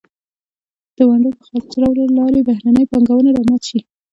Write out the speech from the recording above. د ونډو د خرڅلاو له لارې بهرنۍ پانګونه را مات شي.